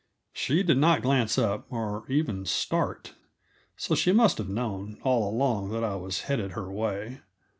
She did not glance up, or even start; so she must have known, all along, that I was headed her way.